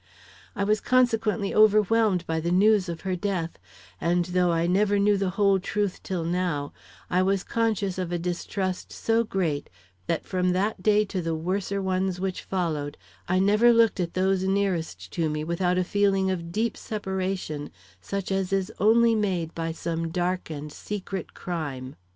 I was consequently overwhelmed by the news of her death, and though I never knew the whole truth till now, I was conscious of a distrust so great that from that day to the worser ones which followed, I never looked at those nearest to me without a feeling of deep separation such as is only made by some dark and secret crime.